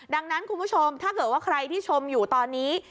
ดังนั้นคุณผู้ชมถ้าเกิดว่าใครที่ชมอยู่ตอนนี้